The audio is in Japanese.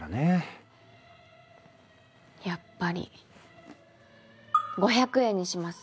やっぱり５００円にします。